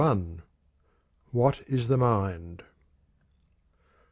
What is the Mind?